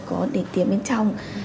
có đề tiền bên trong